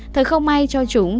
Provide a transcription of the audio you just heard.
thật không may cho chúng